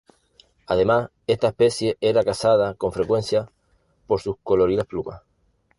Además esta especie era cazada con frecuencia por sus coloridas plumas.